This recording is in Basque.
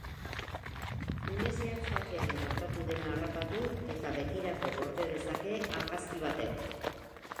Une zehatz batean gertatu dena harrapatu eta betirako gorde dezake argazki batek.